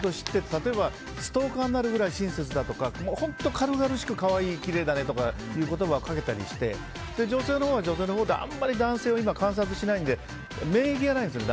例えば、ストーカーになるくらい親切だとか本当に軽々しくかわいい、きれいだねと声をかけたりして女性のほうは女性のほうであんまり男性を観察しないので免疫がないんですよね